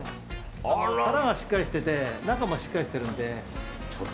殻がしっかりしてて中もしっかりしてるので。